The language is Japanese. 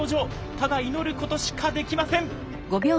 ただ祈ることしかできません。